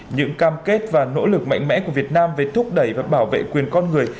những cam kết và nỗ lực mạnh mẽ của việt nam về thúc đẩy và bảo vệ quyền con người